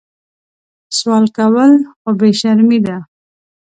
سوال کول خو بې شرمي ده